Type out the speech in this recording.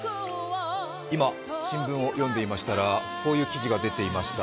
今、新聞を読んでいましたらこういう記事が出ていました。